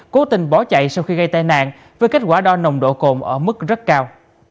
cố tình bỏ chạy sau khi gây tai nạn với kết quả đo nồng độ cồn ở mức rất cao